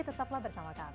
tetaplah bersama kami